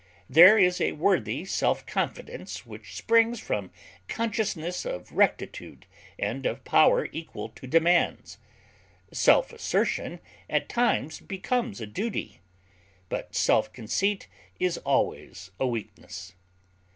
There is a worthy self confidence which springs from consciousness of rectitude and of power equal to demands. Self assertion at times becomes a duty; but self conceit is always a weakness.